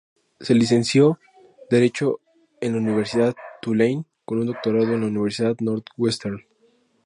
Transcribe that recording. Se licenció derecho en la Universidad Tulane con un doctorado en la Universidad Northwestern.